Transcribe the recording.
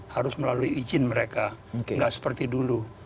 harus melalui izin mereka nggak seperti dulu